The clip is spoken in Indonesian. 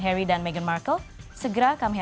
harry dan meghan markle segera kami